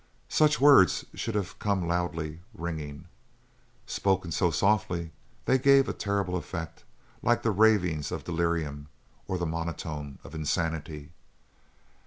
Such words should have come loudly, ringing. Spoken so softly, they gave a terrible effect; like the ravings of delirium, or the monotone of insanity.